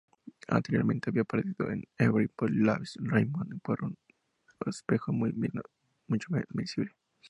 Anteriormente había aparecido en "Everybody Loves Raymond" por un aspecto mucho menos visible.